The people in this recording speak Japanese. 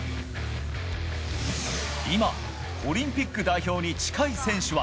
今、オリンピック代表に近い選手は？